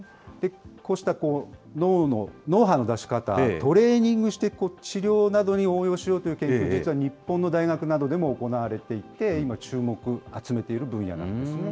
こうした脳波の出し方、トレーニングして治療などに応用しようという研究、実は日本の大学でも行われていて、今、注目集めている分野なんですね。